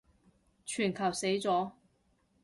全球死咗